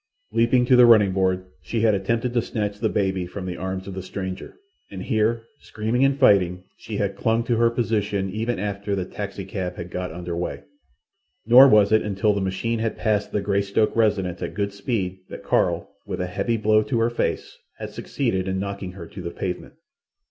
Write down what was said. Leaping to the running board, she had attempted to snatch the baby from the arms of the stranger, and here, screaming and fighting, she had clung to her position even after the taxicab had got under way; nor was it until the machine had passed the Greystoke residence at good speed that Carl, with a heavy blow to her face, had succeeded in knocking her to the pavement.